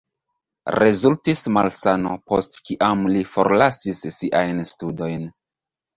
Rezultis malsano, post kiam li forlasis siajn studojn.